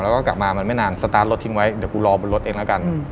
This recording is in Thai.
แล้วก็กลับมามันไม่นานสตาร์ทรถทิ้งไว้เดี๋ยวกูรอบนรถเองแล้วกัน